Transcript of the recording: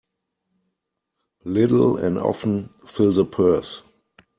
Little and often fill the purse.